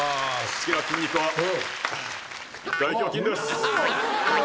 好きな筋肉は大胸筋です！